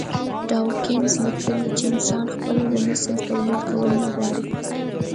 ډاوکېنز ليکلي چې انسان خپله د مثل توليد کول نه غواړي.